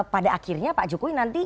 pada akhirnya pak jokowi nanti